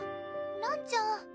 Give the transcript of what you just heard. らんちゃん